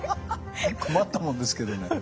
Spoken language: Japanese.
困ったもんですけどね。